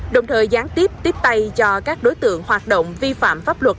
đồng thời gián tiếp tiếp tay cho các đối tượng hoạt động vi phạm pháp luật